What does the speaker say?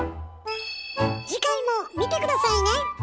次回も見て下さいね！